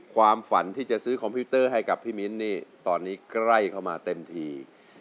ความฝันที่จะซื้อคอมพิวเตอร์ให้กับพี่มิ้นนี่ตอนนี้ใกล้เข้ามาเต็มที